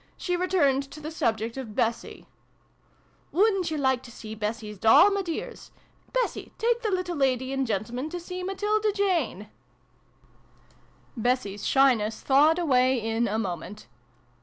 She returned to the subject of 'Bessie.' "Wouldn't you like to see Bessie's doll, my dears ! Bessie, take the little lady and gentleman to see Matilda Jane !" 70 SYLVIE AND BRUNO CONCLUDED. Bessie's shyness thawed away in a moment.